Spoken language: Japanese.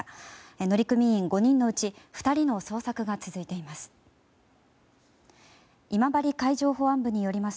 乗組員５人のうち２人の捜索が続いています。